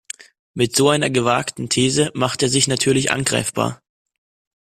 Mit so einer gewagten These macht er sich natürlich angreifbar.